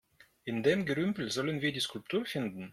In dem Gerümpel sollen wir die Skulptur finden?